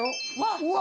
うわ！